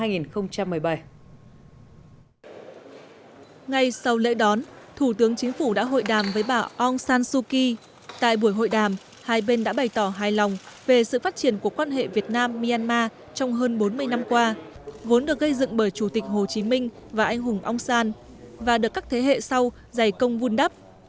ngay sau lễ đón thủ tướng chính phủ đã hội đàm với bà aung san suu kyi tại buổi hội đàm hai bên đã bày tỏ hài lòng về sự phát triển của quan hệ việt nam myanmar trong hơn bốn mươi năm qua vốn được gây dựng bởi chủ tịch hồ chí minh và anh hùng aung san và được các thế hệ sau giày công vun đắp